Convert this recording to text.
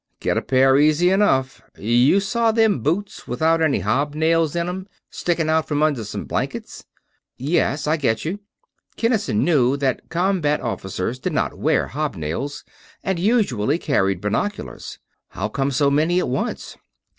"Get a pair easy enough. You saw them boots without any hobnails in 'em, sticking out from under some blankets?" "Yes. I get you." Kinnison knew that combat officers did not wear hobnails, and usually carried binoculars. "How come so many at once?"